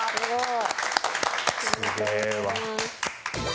すげえわ。